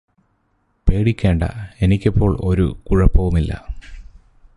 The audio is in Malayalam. പേടിക്കണ്ട എനിക്കിപ്പോള് ഒരു കുഴപ്പവുമില്ല